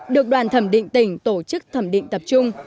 được đoàn thẩm định tỉnh tổ chức thẩm định tập trung